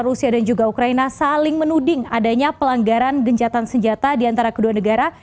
rusia dan juga ukraina saling menuding adanya pelanggaran gencatan senjata di antara kedua negara